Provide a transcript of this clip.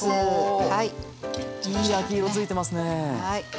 はい。